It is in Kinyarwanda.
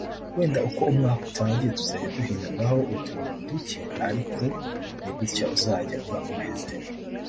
wenda uko umwaka utangiye tuzajya duhinduraho utuntu duke ariko ni gutyo uzajya uba umeze